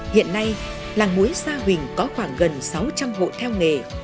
hiện nay làng muối sa huỳnh có khoảng gần sáu trăm linh hộ theo nghề